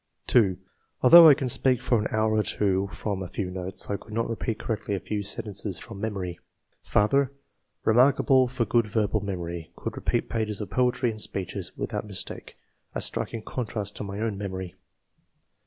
2. "Although I can speak for an hour or two from a few notes, I could not repeat correctly a few sentences from memory. ''Father — Remarkable for good verbal memory; could repeat pages of poetry and speeches, without mistake, a striking contrast to my own memory."